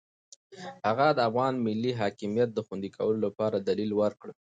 هغه د افغانستان د ملي حاکمیت د خوندي کولو لپاره دلیل ورکړ.